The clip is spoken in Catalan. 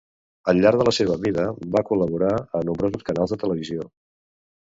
Al llarg de la seva vida va col·laborar a nombrosos canals de televisió.